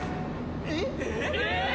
えっ？